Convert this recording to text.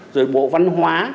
rồi bộ văn hóa